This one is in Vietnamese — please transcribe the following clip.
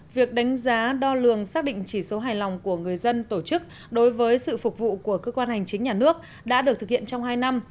việc đánh giá đo lường xác định chỉ số hài lòng của người dân tổ chức đối với sự phục vụ của cơ quan hành chính nhà nước đã được thực hiện trong hai năm